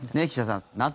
岸田さん